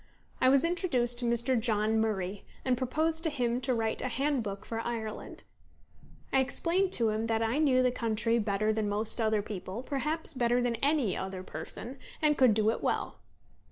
I was introduced to Mr. John Murray, and proposed to him to write a handbook for Ireland. I explained to him that I knew the country better than most other people, perhaps better than any other person, and could do it well.